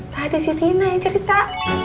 tadi si tina yang cerita